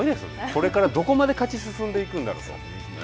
これからどこまで勝ち進んでいくんだろうと。